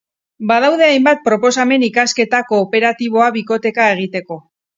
Badaude hainbat proposamen ikasketa kooperatiboa bikoteka egiteko.